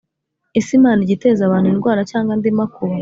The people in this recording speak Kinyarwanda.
Ese Imana ijya iteza abantu indwara cyangwa andi makuba